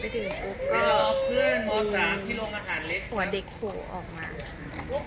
ไปถึงปุ๊บก็มีหัวเด็กผูออกมาค่ะ